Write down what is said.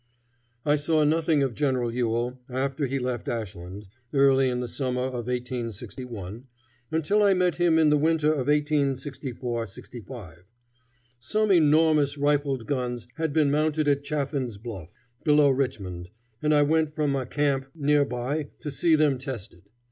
I saw nothing of General Ewell after he left Ashland, early in the summer of 1861, until I met him in the winter of 1864 65. Some enormous rifled guns had been mounted at Chaffin's Bluff, below Richmond, and I went from my camp near by to see them tested.